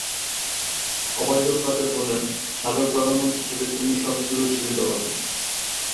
ওবায়দুল কাদের বলেন, সাবেক প্রধানমন্ত্রী হিসেবে তিনি সব সুযোগ সুবিধা পাবেন।